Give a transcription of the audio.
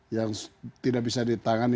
yang tidak bisa ditangani